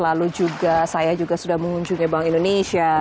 lalu juga saya juga sudah mengunjungi bank indonesia